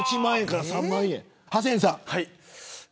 ハセンさん。